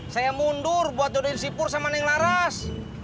saya mundur buat jodohin si pur sama neng laras